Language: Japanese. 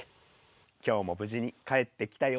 今日も無事に帰ってきたよ。